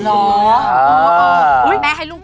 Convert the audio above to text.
แม่ให้ลูกจับนะ